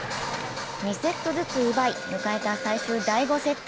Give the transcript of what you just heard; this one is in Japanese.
２セットずつ奪い、迎えた最終第５セット。